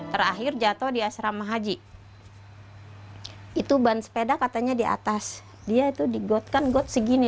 terakhir jatuh di asrama haji itu ban sepeda katanya di atas dia itu digotkan got segini